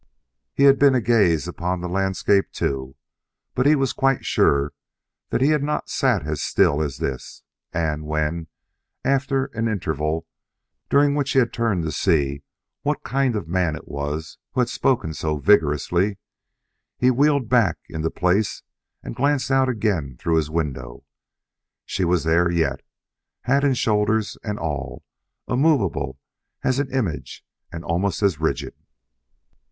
He had been agaze upon the landscape too, but he was sure that he had not sat as still as this, and when, after an interval during which he had turned to see what kind of man it was who had spoken so vigorously, he wheeled back into place and glanced out again through his window, she was there yet, hat, shoulders and all, immovable as an image and almost as rigid.